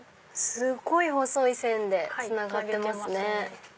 すっごい細い線でつながってますね。